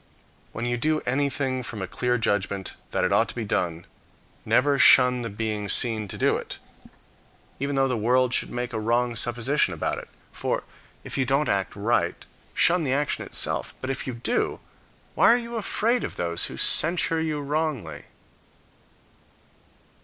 When you do anything from a clear judgment that it ought to be done, never shun the being seen to do it, even though the world should make a wrong supposition about it; for, if you don't act right, shun the action itself; but, if you do, why are you afraid of those who censure you wrongly?